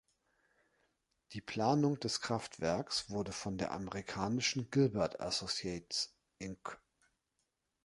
Die Planung des Kraftwerks wurde von der amerikanischen "Gilbert Associates Inc.